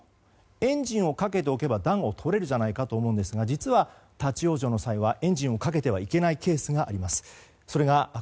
エンジンをかけておけば暖をとれるじゃないかと思うんですが実は立ち往生の際はエンジンをかけてはいけないケースがあります。